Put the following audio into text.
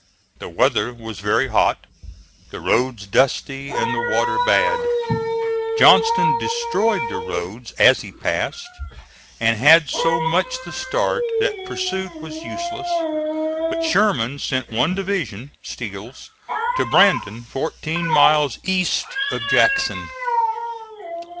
The weather was very hot, the roads dusty and the water bad. Johnston destroyed the roads as he passed and had so much the start that pursuit was useless; but Sherman sent one division, Steele's, to Brandon, fourteen miles east of Jackson.